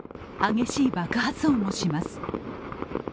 激しい爆発音もします。